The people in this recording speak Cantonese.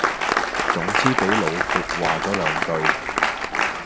總之俾老闊話左兩句